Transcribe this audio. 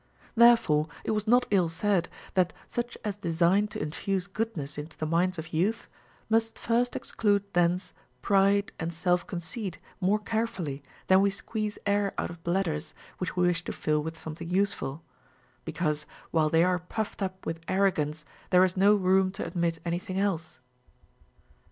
Therefore it Avas not ill said, that such as design to infuse goodness into the minds of youth must first exclude thence pride and self conceit more carefully than we squeeze air out of bladders Λvhich we wish to fill with something use ful ; because, Λνΐύΐο they are puffed up with arrogance, there is no room to admit any thing else.